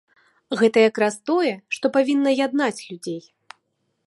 Гэта як раз тое, што павінна яднаць людзей.